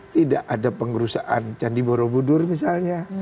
tidak ada pengerusakan candi borobudur misalnya